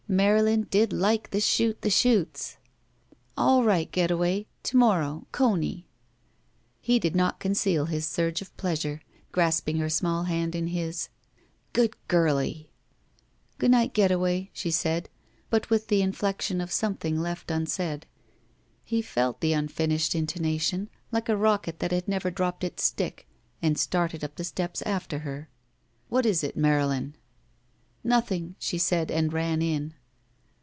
Marylin did like the shoot the chutes ! "All right, Getaway — ^to morrow — Coney!" He did not conceal his surge of pleasure, grasping her small hand in both his. "Good girlie!" "Good night, Getaway," she said, but with the inflection of something left tmsaid. 124 THE VERTICAL CITY He felt the unfinished intonation, like a rocket that had never dropped its stick, and started up the steps after her. "What is it, Marylin?" "Nothing," she said and ran in.